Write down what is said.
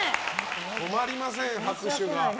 止まりません、拍手が。